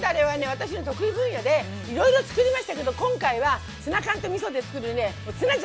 私の得意分野でいろいろ作りましたけど今回はツナ缶とみそで作るねツナジャンをご紹介しますね。